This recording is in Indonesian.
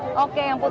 oke yang putih